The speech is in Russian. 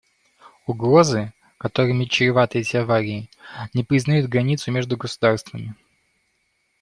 Угрозы, которыми чреваты эти аварии, не признают границ между государствами.